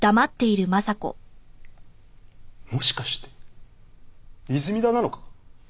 もしかして泉田なのか？